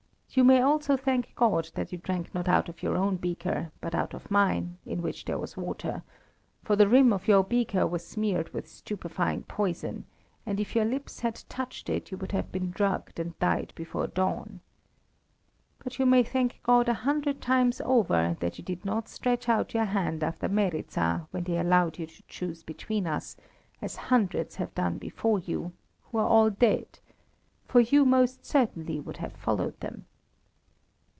You may also thank God that you drank not out of your own beaker, but out of mine, in which there was water; for the rim of your beaker was smeared with stupefying poison, and if your lips had touched it, you would have been drugged and died before dawn. But you may thank God a hundred times over that you did not stretch out your hand after Meryza when they allowed you to choose between us, as hundreds have done before you, who are all dead; for you most certainly would have followed them."